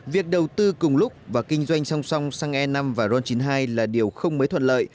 việc đầu tư cùng lúc và kinh doanh song song xăng e năm và ron chín mươi hai là điều không mới thuận lợi